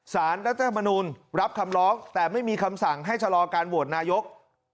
สารรัฐธรรมนูลรับคำร้องแต่ไม่มีคำสั่งให้ชะลอการโหวตนายก